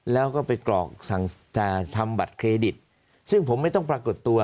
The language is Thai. แล้วก็ไปกรอกสั่งทำบัตรเครดิตซึ่งผมไม่ต้องปรากฏตัว